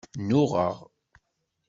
Nnuɣeɣ.